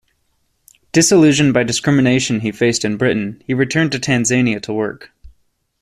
Disillusioned by discrimination he faced in Britain, he returned to Tanzania to work.